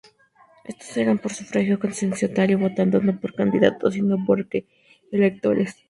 Estas eran por sufragio censitario, votando no por candidato sino que por electores.